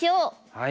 はい。